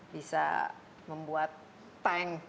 bisa membuat time